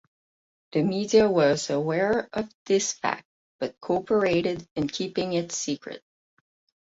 The media was aware of this fact but cooperated in keeping it secret.